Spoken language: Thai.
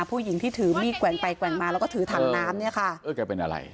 ผู้หญิงที่ถือมีดแกว่งไปแกว่งมาแล้วก็ถือถ่ำน้ำเนี่ยค่ะ